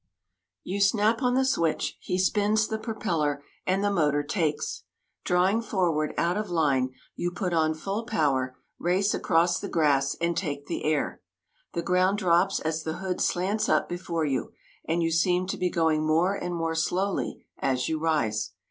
You snap on the switch, he spins the propeller, and the motor takes. Drawing forward out of line, you put on full power, race across the grass and take the air. The ground drops as the hood slants up before you and you seem to be going more and more slowly as you rise.